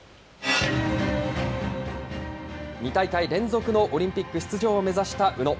２大会連続のオリンピック出場を目指した宇野。